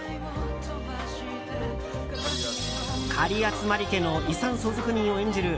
狩集家の遺産相続人を演じる